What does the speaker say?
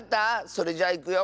それじゃいくよ。